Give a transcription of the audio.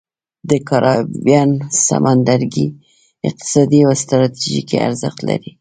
د کارابین سمندرګي اقتصادي او ستراتیژیکي ارزښت لري.